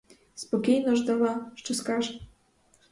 Спокійно ждала, що скаже.